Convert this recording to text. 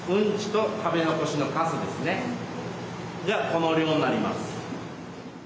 それがこの量になります。